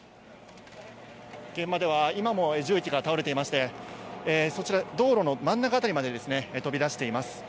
現場では今も重機が倒れていまして、そちら、道路の真ん中辺りまで飛び出しています。